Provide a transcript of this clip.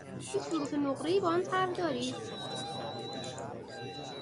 هیچ ظروف نقره ای با آن طرح دارید؟